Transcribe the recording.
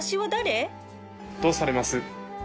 どうされます？